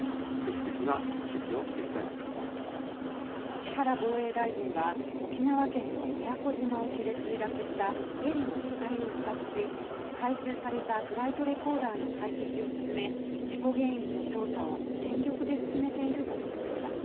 木原防衛大臣は沖縄県の宮古島沖で墜落したヘリの機体を視察し回収されたフライトレコーダーの解析を進め事故原因の調査を全力で進めていると述べました。